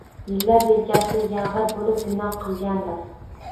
Yillab yelkasi yag'ir bo'lib bino qilgandir